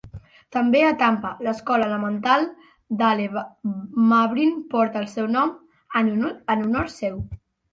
També a Tampa, l'escola elemental Dale Mabry porta el seu nom, en honor seu.